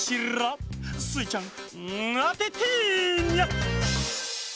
スイちゃんあててニャ！